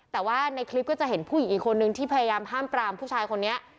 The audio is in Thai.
แต่ว่าในคลิปก็จะเห็นผู้หญิงอีกคนนึงที่พยายามห้ามปรามผู้ชายคนนี้